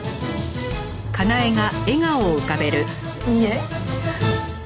いいえ。